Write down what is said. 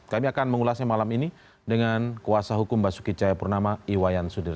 kami akan mengulasnya malam ini dengan kuasa hukum mbak suki chayapurnama iwayan sudir